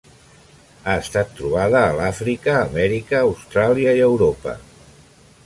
Ha estat trobada a l'Àfrica, Amèrica, Austràlia i Europa.